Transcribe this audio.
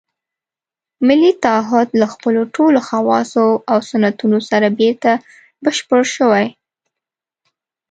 ملي تعهُد له خپلو ټولو خواصو او سنتونو سره بېرته بشپړ شوی.